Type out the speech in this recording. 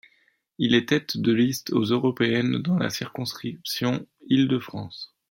Il est tête de liste aux européennes dans la circonscription Île-de-France.